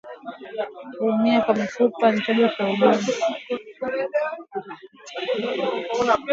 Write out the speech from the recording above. Ajali inayosababisha kuumia kwa mifupa ni chanzo cha ugonjwa